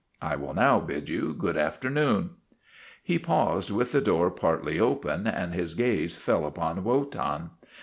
I will now bid you good afternoon." He paused with the door partly opened, and his gaze fell upon Wotan.